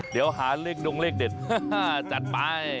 เดี๋ยวหาเลขดงเลขเด็ดจัดไป